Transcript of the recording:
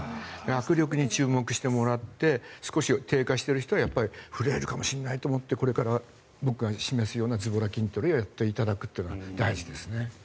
握力に注目してもらって少し低下している人はフレイルかもしれないと思ってこれから僕が示すようなずぼら筋トレをやっていただくということが大事ですね。